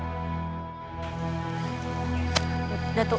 masalah tentang kitab inya itu